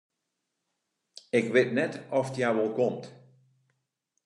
Ik wit net oft hja wol komt.